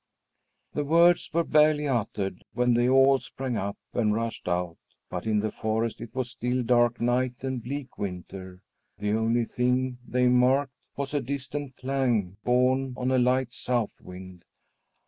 The words were barely uttered when they all sprang up and rushed out. But in the forest it was still dark night and bleak winter. The only thing they marked was a distant clang borne on a light south wind.